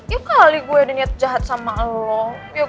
ya kali gue ada niat jahat sama lo